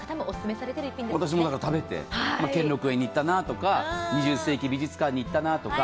私も食べて、兼六園に行ったなとか２１世紀美術館に行ったなとか。